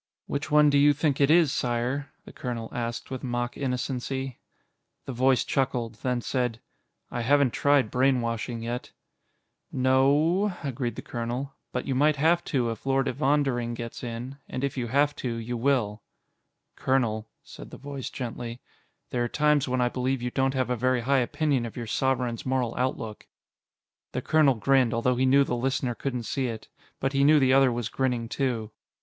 "Which one do you think it is, Sire?" the colonel asked with mock innocency. The voice chuckled, then said, "I haven't tried brainwashing yet." "No o o," agreed the colonel, "but you might have to if Lord Evondering gets in, and if you have to, you will." "Colonel," said the voice gently, "there are times when I believe you don't have a very high opinion of your Sovereign's moral outlook." The colonel grinned, although he knew the listener couldn't see it. But he knew the other was grinning, too.